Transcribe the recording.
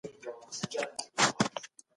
د کثافاتو مدیریت څنګه کېږي؟